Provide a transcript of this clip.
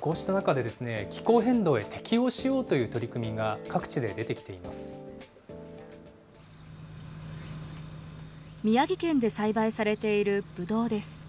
こうした中で、気候変動へ適応しようという取り組みが各地で宮城県で栽培されているブドウです。